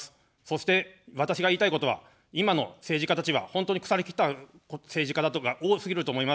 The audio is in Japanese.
そして私が言いたいことは今の政治家たちは本当に腐りきった政治家だとか多すぎると思います。